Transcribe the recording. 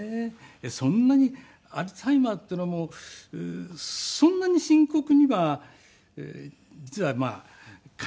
そんなにアルツハイマーっていうのもそんなに深刻には実は感じていなかったんですね。